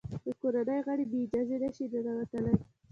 د کورنۍ غړي بې اجازې نه شي ننوتلای.